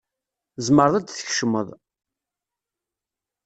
Tzemreḍ ad d-tkecmeḍ.